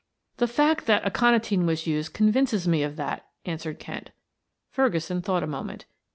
"The fact that aconitine was used convinces me of that," answered Kent. Ferguson thought a moment.